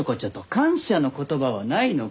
感謝の言葉はないのか？